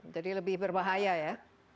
jadi lebih berbahaya ya